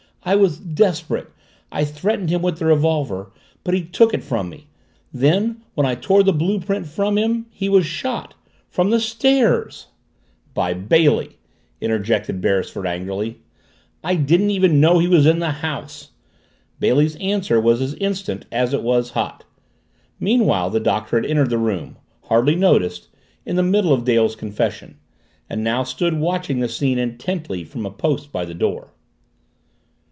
I was desperate. I threatened him with the revolver but he took it from me. Then when I tore the blue print from him he was shot from the stairs " "By Bailey!" interjected Beresford angrily. "I didn't even know he was in the house!" Bailey's answer was as instant as it was hot. Meanwhile, the Doctor had entered the room, hardly noticed, in the middle of Dale's confession, and now stood watching the scene intently from a post by the door.